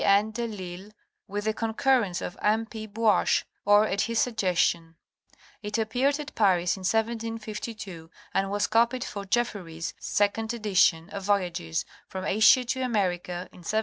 N. de L'Isle with the concurrence of M. P. Buache, or at his suggestion. It appeared at Paris, in 1752, and was copied for Jefferys' (2d) edition of Voyages from Asia to America in 1764.